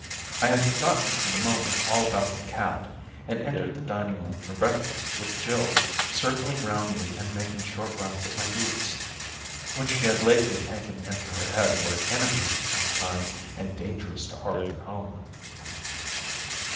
I had forgotten for the moment all about the cat, and entered 177 M the dining room for breakfast with Jill circling round me and making short runs at my boots, which she had lately taken into her head were enemies of some kind and dangerous to hearth and home.